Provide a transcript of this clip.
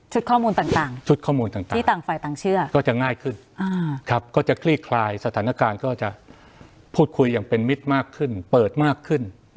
ข้อมูลต่างชุดข้อมูลต่างที่ต่างฝ่ายต่างเชื่อก็จะง่ายขึ้นก็จะคลี่คลายสถานการณ์ก็จะพูดคุยอย่างเป็นมิตรมากขึ้นเปิดมากขึ้น